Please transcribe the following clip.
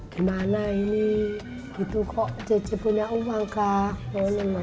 gimana ini gitu kok cece punya uang kak